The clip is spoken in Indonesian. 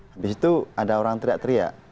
habis itu ada orang teriak teriak